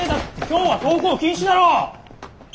今日は登校禁止だろう！